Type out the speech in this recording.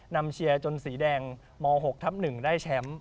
นำเชียร์จนสีแดงม๖ทับ๑ได้แชมป์